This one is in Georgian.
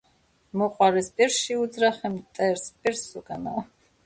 „მოყვარეს პირში უძრახე, მტერს პირს უკანაო”.